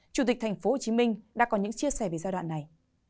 chủ tịch tp hcm đã có những chia sẻ về giai đoạn này